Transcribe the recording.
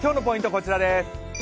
こちらです。